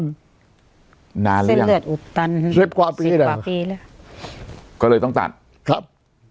สิบกว่าปีแล้วสิบกว่าปีแล้วก็เลยต้องตัดครับ